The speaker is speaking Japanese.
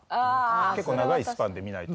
結構長いスパンで見ないと。